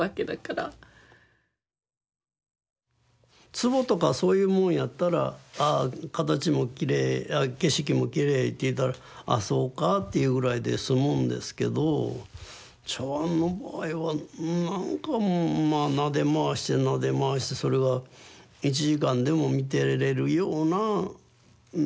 壺とかそういうもんやったら形もきれい景色もきれいっていったらあそうかっていうぐらいで済むんですけど茶碗の場合はなんかもうまあなで回してなで回してそれが１時間でも見てれるような魅力があるんですよね。